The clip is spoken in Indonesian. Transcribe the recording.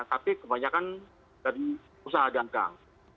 tapi kebanyakan dari usaha dangkal